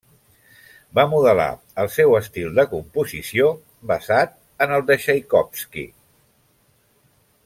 Va modelar el seu estil de composició basat en el de Txaikovski.